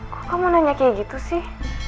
kok kamu nanya kayak gitu sih